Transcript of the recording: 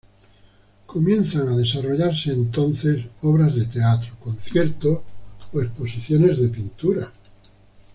Comienzan a desarrollarse entonces obras de teatro, conciertos o exposiciones de pintura.